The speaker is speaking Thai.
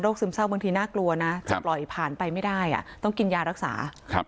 ซึมเศร้าบางทีน่ากลัวนะจะปล่อยผ่านไปไม่ได้อ่ะต้องกินยารักษาครับ